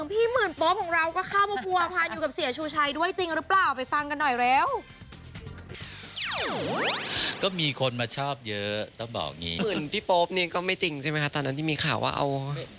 พี่โป๊ปเนี่ยก็ไม่จริงใช่ไหมคะตอนนั้นที่มีข่าวว่าเอา